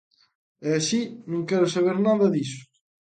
É así, non quero saber nada diso.